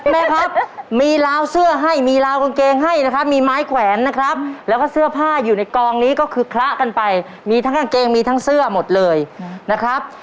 แม่ครับมีราวเสื้อให้มีราวกางเกงให้นะครับมีไม้แขวนนะครับแล้วก็เสื้อผ้าอยู่ในกองนี้ก็คือคละกันไปมีทั้งกางเกงมีทั้งเสื้อหมดเลยนะครับ